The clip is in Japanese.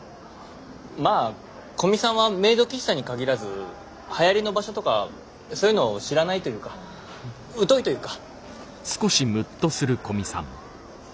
まあ古見さんはメイド喫茶に限らず流行りの場所とかそういうの知らないというか疎いというか。